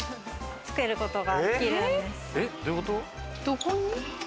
つけることができるんです。